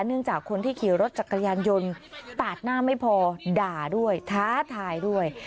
จากคนที่ขี่รถจักรยานยนต์ปาดหน้าไม่พอด่าด้วยท้าทายด้วย